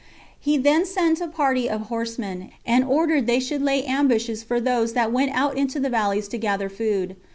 He then sent a party of horsemen, and ordered they should lay ambushes for those that went out into the valleys to gather food.